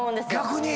逆に。